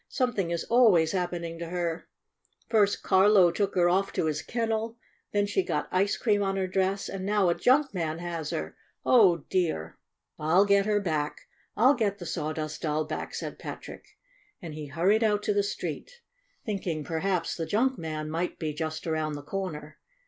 Something is always hap pening to her! First Carlo took her off to his kennel, then she got ice cream on her dress, and now a junk man has her! Oh, dear!" " I 'll get her back ! I 'll get the Sawdust Doll back!" said Patrick, and he hurried out to the street, thinking perhaps the junk man might be just around the corner.